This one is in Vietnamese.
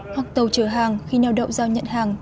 hoặc tàu chở hàng khi neo đậu giao nhận hàng